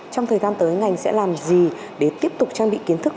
trong thời gian tới ngành sẽ làm gì để tiếp tục trang bị kiến thức